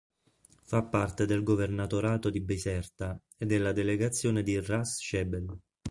Fa parte del governatorato di Biserta e della delegazione di Ras Jebel.